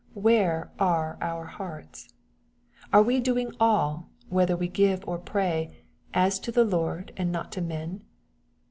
Where are our hearts ? Are we doing all, whether we give or pray, " as to the Lord, and not to men